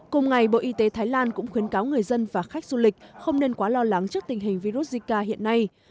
cùng ngày bộ y tế thái lan cũng khuyến cáo người dân và khách du lịch không nên quá lo lắng trước tình hình virus zika hiện nay